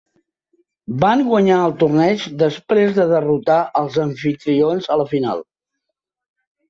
Van guanyar el torneig després de derrotar els amfitrions a la final.